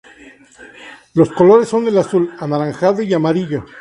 Los colores son el azul, anaranjado y amarillo.